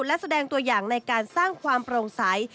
และแสดงตัวอย่างในการสร้างความโปร่งใส